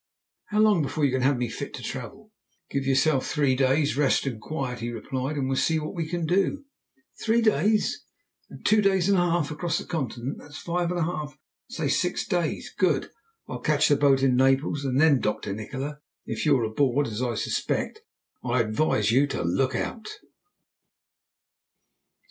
"How long before you can have me fit to travel?" "Give yourself three days' rest and quiet," he replied, "and we'll see what we can do." "Three days? And two days and a half to cross the Continent, that's five and a half say six days. Good! I'll catch the boat in Naples, and then, Dr. Nikola, if you're aboard, as I suspect, I advise you to look out."